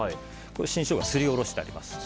新ショウガはすりおろしてあります。